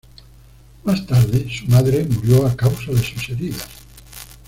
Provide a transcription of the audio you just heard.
Más tarde su madre murió a causa de sus heridas.